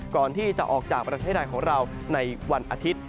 ก่อนที่จะออกจากประเทศไทยของเราในวันอาทิตย์